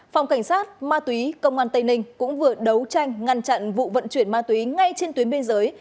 phòng cảnh sát ma túy công an tây ninh cũng vừa đấu tranh ngăn chặn vụ vận chuyển ma túy ngay trên tuyến biên giới